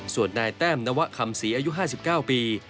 ส่วนนายแต้มนวะคำศรีอายุ๕๙ปี